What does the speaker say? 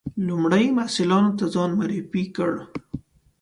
لومړي محصلینو ته ځان معرفي کړ.